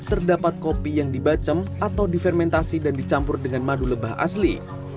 terdapat kopi yang dibacem atau difermentasi dan dicampur dengan madu lebah asli